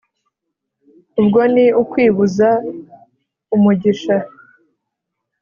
«ubwo ni ukwibuza umugisha: